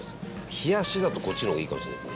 冷やしだと、こっちの方がいいかもしれないですね。